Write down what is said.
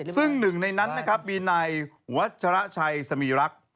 ซึ่งหนึ่งในนั้นนะครับมีนายวัชระชัยสมีรักษ์